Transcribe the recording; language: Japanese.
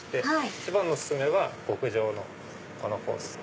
一番のお薦めは極上のこのコース。